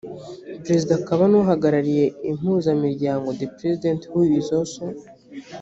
perezida akaba n uhagarariye impuzamiryango the president who is also